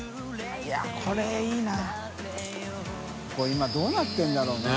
今どうなってるんだろうな？ねぇ。